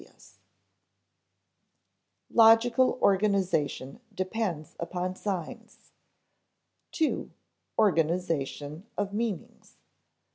[Sidenote: Logical organization depends upon signs] II. Organization of Meanings.